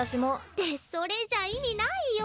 ってそれじゃ意味ないよ。